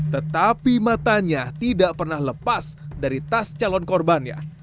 tetapi matanya tidak pernah lepas dari tas calon korbannya